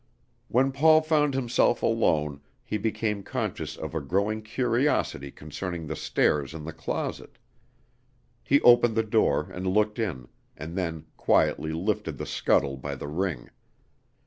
When Paul found himself alone, he became conscious of a growing curiosity concerning the stairs in the closet. He opened the door and looked in, and then quietly lifted the scuttle by the ring.